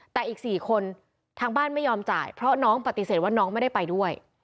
แต่อีก๔คนทางบ้านไม่ยอมจ่ายเพราะน้องปฏิเสธว่าน้องไม่ได้ไปด้วย